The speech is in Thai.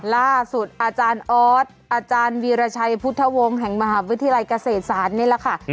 ล่าสุดอาจารย์ออสอาจารย์วีรชัยพุทธวงศ์แห่งมหาวิทยาลัยเกษตรศาสตร์นี่แหละค่ะ